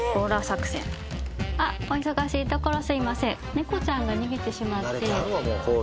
猫ちゃんが逃げてしまって捜させて。